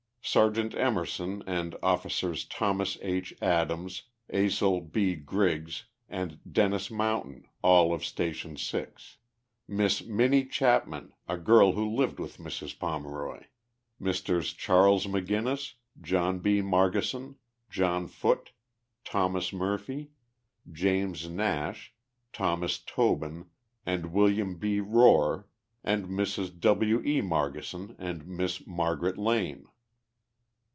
Sergeant Emerson, and Officers Thomas H. Adams, Asel B. Griggs and Dennis Mountain, all of Station 6. Miss Minnie Chapman, a girl who lived with Mrs. Pomeroy. Messrs. Charles McGinnis, John B. Margeson, John Foote, Thomas iflurphy, James Nash, Thomas Tobin and William B. Rohr ; and Mrs. W. E. Margeson and Miss Margaret Lane.